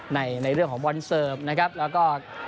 ในในเรื่องของบอลเสิร์ฟนะครับแล้วก็